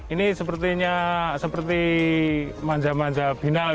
ini sepertinya seperti manja manja binal gitu ya